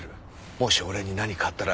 もし俺に何かあったら。